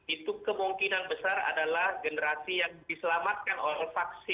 itu kemungkinan besar adalah generasi yang diselamatkan oleh vaksin